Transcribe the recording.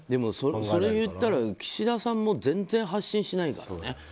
それを言ったら岸田さんも全然、発信しないからね。